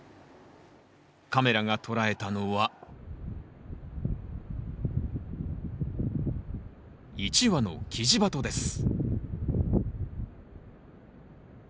カメラが捉えたのは１羽のキジバトです